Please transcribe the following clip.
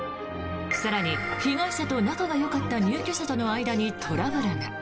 更に、被害者と仲がよかった入居者との間にトラブルが。